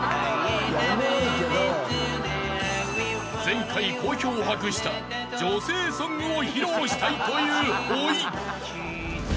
［前回好評を博した女性ソングを披露したいというほい］